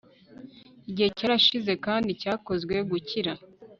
igihe cyarashize, kandi cyakozwe gukira